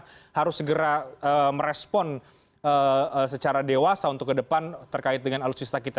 kita harus segera merespon secara dewasa untuk ke depan terkait dengan alutsista kita